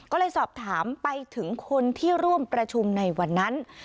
ก็เลยสอบถามไปถึงคนที่ร่วมประชุมในวันนั้น